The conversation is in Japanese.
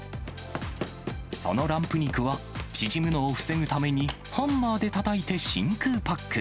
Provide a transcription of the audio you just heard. そのランプ肉は、縮むのを防ぐためにハンマーでたたいて真空パック。